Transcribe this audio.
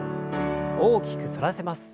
大きく反らせます。